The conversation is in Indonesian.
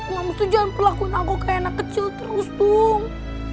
mams tuh jangan perlakuin aku kayak anak kecil terus tung